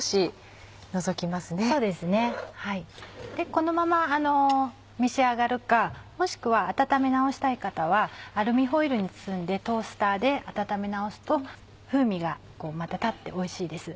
このまま召し上がるかもしくは温め直したい方はアルミホイルに包んでトースターで温め直すと風味がまた立っておいしいです。